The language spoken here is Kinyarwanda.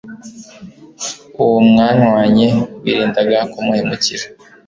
Uwo mwanywanye wirindaga kumuhemukira